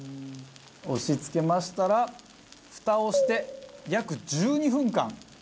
押し付けましたらフタをして約１２分間。